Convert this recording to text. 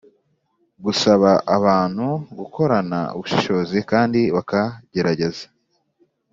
gusaba ko abantu bakorana ubushishozi kandi bakagerageza